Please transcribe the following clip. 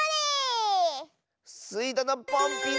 スイどのポンピン！